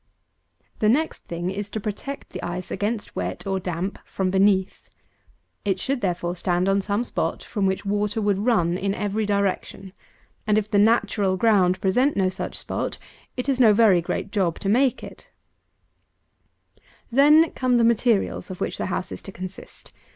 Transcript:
239. The next thing is to protect the ice against wet, or damp, from beneath. It should, therefore, stand on some spot from which water would run in every direction; and if the natural ground presents no such spot, it is no very great job to make it. 240. Then come the materials of which the house is to consist.